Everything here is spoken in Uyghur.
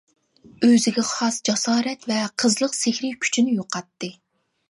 ئۆزىگە خاس جاسارەت ۋە قىزلىق سېھرى كۈچىنى يوقاتتى.